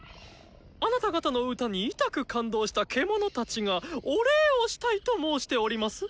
あなた方の歌にいたく感動したケモノたちがお礼をしたいと申しております。